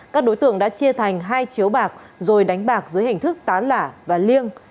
các đối tượng đã chia thành hai chiếu bạc rồi đánh bạc dưới hình thức tá lả và liêng